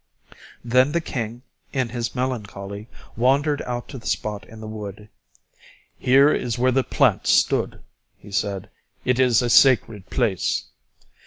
Then the king, in his melancholy, wandered out to the spot in the wood. "Here is where the plant stood," he said; "it is a sacred place."